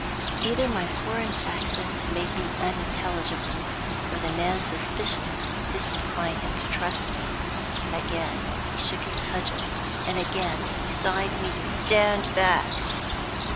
Either my foreign accent made me unintelligible, or the man's suspicions disinclined him to trust me. Again he shook his cudgel, and again he signed to me to stand back.